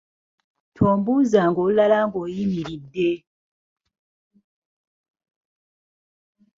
Tombuuzanga olulala ng’oyimiridde.